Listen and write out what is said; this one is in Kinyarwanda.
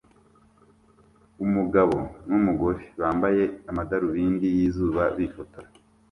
Umugabo numugore bambaye amadarubindi yizuba bifotora